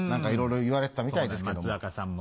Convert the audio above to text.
いろいろ言われてたみたいですけども。